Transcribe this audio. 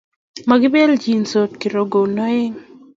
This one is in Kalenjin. Makibeelchindos kirogon aeng